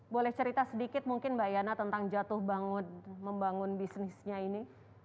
boleh cerita sedikit mungkin mbak yana tentang jatuh membangun bisnisnya ini